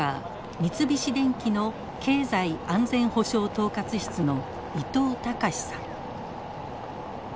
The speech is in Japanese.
三菱電機の経済安全保障統括室の伊藤隆さん。